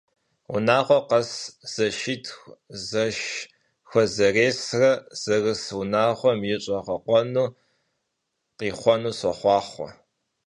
Vunağue khes zeşşitxu zeşşxuezeêsre zerıs vunağuem yi ş'eğekhuenu khixhuenu soxhuaxhue!